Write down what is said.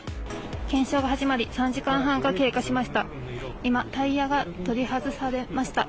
検証が始まり、３時間半が経過しました。